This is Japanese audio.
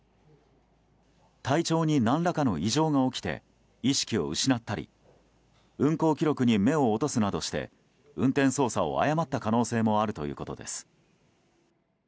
体調に何らかの異常が起きて意識を失ったり運行記録に目を落とすなどして運転操作を誤った可能性もあるということです。